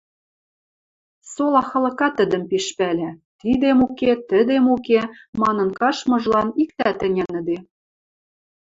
Сола халыкат тӹдӹм пиш пӓлӓ: «Тидем уке, тӹдем уке» манын каштмыжылан иктӓт ӹнянӹде.